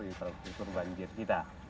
infrastruktur banjir kita